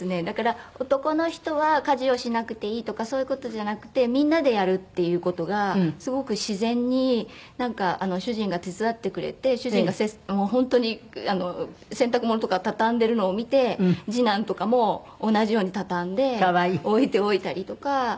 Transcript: だから男の人は家事をしなくていいとかそういう事じゃなくてみんなでやるっていう事がすごく自然に主人が手伝ってくれて主人が本当に洗濯物とか畳んでるのを見て次男とかも同じように畳んで置いておいたりとか。